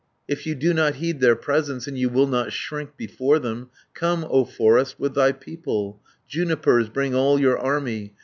"If you do not heed their presence, And you will not shrink before them, 270 Come, O forest, with thy people, Junipers, bring all your army.